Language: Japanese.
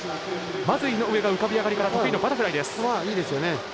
まず、井上が浮かび上がりから得意のバタフライです。